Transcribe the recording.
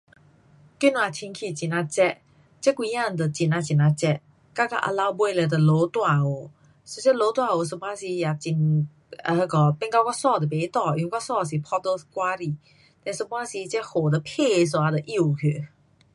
今天天气很呀热，这几天都很呀很呀热。哒到下午尾咯就下大雨，其实下大雨有半时也很，um 那个变到我衣都不干。因为我衣是嗮在外里。嘞有半时这雨就淋一下就湿去。